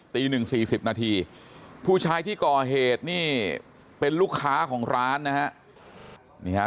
ตี๑๔๐นาทีผู้ชายที่ก่อเหตุนี่เป็นลูกค้าของร้านนะฮะ